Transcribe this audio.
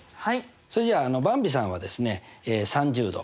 それじゃあばんびさんは３０°